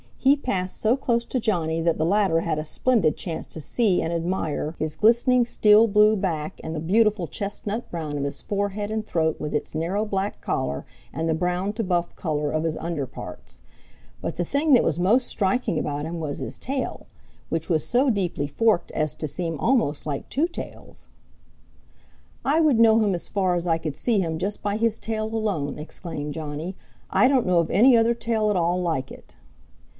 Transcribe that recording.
He passed so close to Johnny that the latter had a splendid chance to see and admire his glistening steel blue back and the beautiful chestnut brown of his forehead and throat with its narrow black collar, and the brown to buff color of his under parts. But the thing that was most striking about him was his tail, which was so deeply forked as to seem almost like two tails. "I would know him as far as I could see him just by his tail alone," exclaimed Johnny. "I don't know of any other tail at all like it."